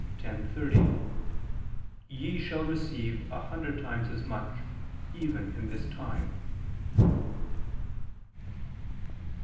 10:30: "Ye shall receive a hundred times as much" even "in this time."